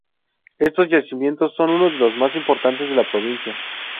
Estos yacimientos son uno de los más importantes de la provincia.